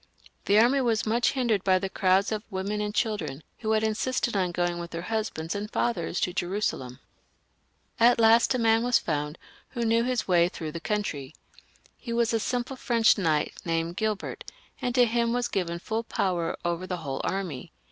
The army was much hindered by the crowds of women and children who had insisted on going with their husbands and fathers to Jerusalem. At last a man was found who knew his way through the country. He was a simple French knight named Gilbert, and to him was given full power over the whole army.